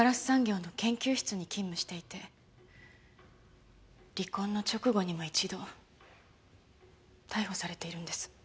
産業の研究室に勤務していて離婚の直後にも一度逮捕されているんです。